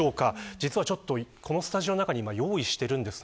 実はこのスタジオの中に用意してます。